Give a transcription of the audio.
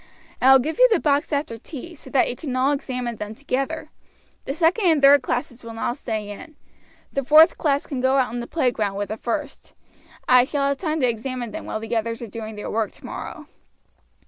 I will give you the box after tea, so that you can all examine them together. The second and third classes will now stay in; the fourth class can go out in the playground with the first. I shall have time to examine them while the others are doing their work tomorrow."